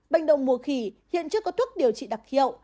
bệnh đồng mùa khỉ hiện chưa có thuốc điều trị đặc hiệu